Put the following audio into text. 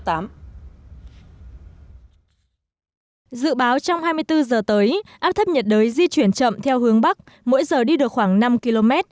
dự báo trong hai mươi bốn h tới áp thấp nhiệt đới di chuyển chậm theo hướng bắc mỗi giờ đi được khoảng năm km